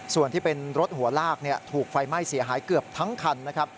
ส่วนที่เป็นรถหัวลากถูกไฟไหม้เสียหายเกือบทั้งคันนะครับ